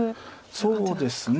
そうですね。